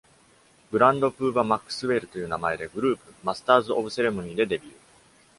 グランド・プーバ・マックスウェルと言う名前でグループ「マスターズ・オブ・セレモニー」でデビュー。